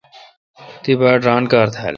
تی باڑ ران کار تھال۔